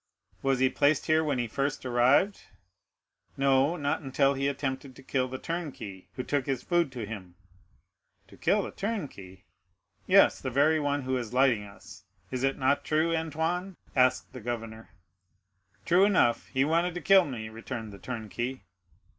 "Was he placed here when he first arrived?" "No; not until he attempted to kill the turnkey, who took his food to him." "To kill the turnkey?" "Yes, the very one who is lighting us. Is it not true, Antoine?" asked the governor. "True enough; he wanted to kill me!" returned the turnkey.